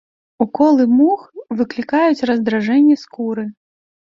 Уколы мух выклікаюць раздражненні скуры.